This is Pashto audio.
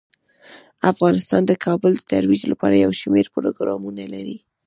افغانستان د کابل د ترویج لپاره یو شمیر پروګرامونه لري.